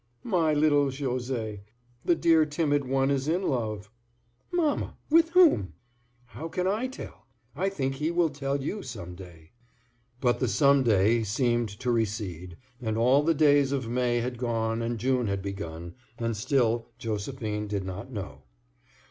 "My little José, the dear timid one is in love." "Mamma, with whom?" "How can I tell? I think he will tell you some day." But the "some day" seemed to recede; and all the days of May had gone and June had begun, and still Josephine did not know.